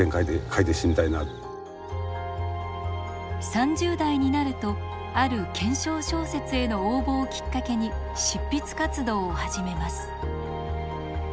３０代になるとある懸賞小説への応募をきっかけに執筆活動を始めます。